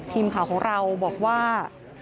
ทีมข่าวของเราบอกว่า